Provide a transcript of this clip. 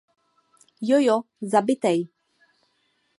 Jojo, zabitej.